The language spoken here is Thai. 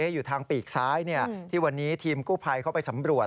อยู่ทางปีกซ้ายที่วันนี้ทีมกู้ภัยเข้าไปสำรวจ